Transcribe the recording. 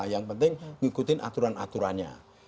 yang penting ngikutin aturan aturannya